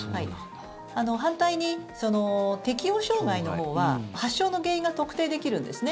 反対に適応障害のほうは発症の原因が特定できるんですね。